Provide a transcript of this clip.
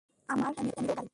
আমার ক্যামেরো গাড়ি।